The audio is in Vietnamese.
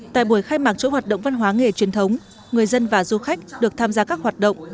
tại buổi khai mạc chủi hoạt động văn hóa nghề truyền thống người dân và du khách được tham gia các hoạt động